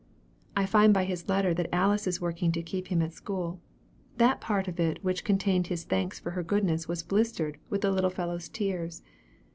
I find by his letter that Alice is working to keep him at school. That part of it which contained his thanks for her goodness was blistered with the little fellow's tears.